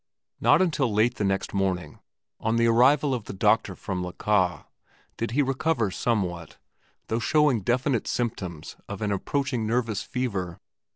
Not until late the next morning, on the arrival of the doctor from Luckau, did he recover somewhat, though showing definite symptoms of an approaching nervous fever.